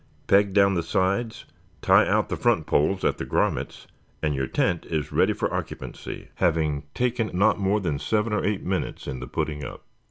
Peg down the sides, tie out the front poles at the grommets, and your tent is ready for occupancy, having taken not more than seven or eight minutes in the putting up.